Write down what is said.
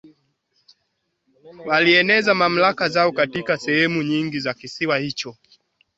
walieneza mamlaka zao katika sehemu nyingine za kisiwa hicho